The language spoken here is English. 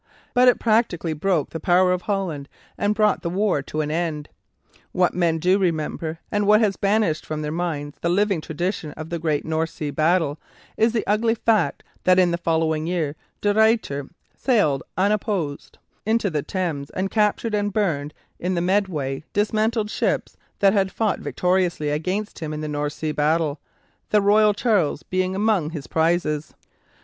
But it practically broke the power of Holland and brought the war to an end. What men do remember, and what has banished from their minds the living tradition of the great North Sea battle, is the ugly fact that in the following year De Ruyter sailed unopposed into the Thames, and captured and burned in the Medway dismantled ships that had fought victoriously against him in the North Sea battle the "Royal Charles" being among his prizes.